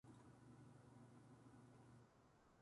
私は生れつき、世にも醜い容貌の持主でございます。